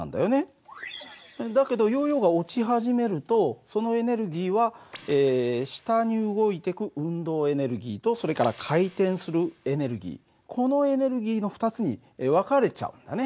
だけどヨーヨーが落ち始めるとそのエネルギーは下に動いてく運動エネルギーとそれから回転するエネルギーこのエネルギーの２つに分かれちゃうんだね。